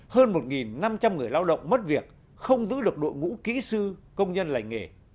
hơn một năm trăm linh người lao động mất việc không giữ được đội ngũ kỹ sư công nhân lành nghề